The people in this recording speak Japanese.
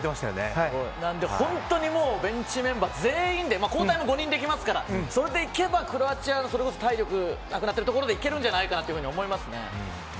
本当にベンチメンバー全員で交代も５人できますからそれでいけば、クロアチアが体力なくなってるところでいけるんじゃないかと思います。